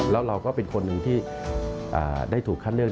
แล้วเราก็เป็นคนหนึ่งที่ได้ถูกคัดเลือก